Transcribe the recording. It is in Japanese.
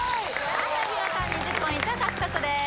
はいお見事２０ポイント獲得です